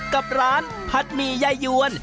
กับร้านผัดหมี่ยายวน